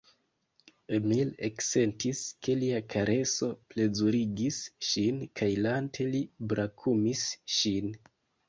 Emil eksentis, ke lia kareso plezurigis ŝin kaj lante li brakumis ŝin.